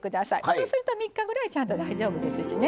そうすると３日ぐらいちゃんと大丈夫ですしね。